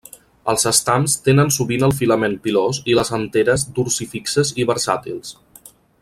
Els estams tenen sovint el filament pilós i les anteres dorsifixes i versàtils.